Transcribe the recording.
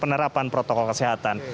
penerapan protokol kesehatan